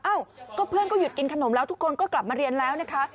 เอ้าก็เพื่อนก็หยุดกินขนมแล้วทุกคนก็กลับมาเรียนแล้วนะคะ